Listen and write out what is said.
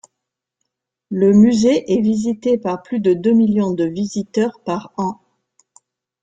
Le musée est visité par plus de deux millions de visiteurs par an.